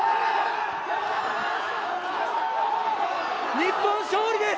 日本、勝利です。